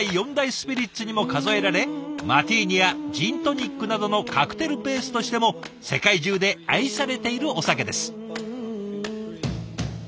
スピリッツにも数えられマティーニやジントニックなどのカクテルベースとしても世界中で愛されているお酒です。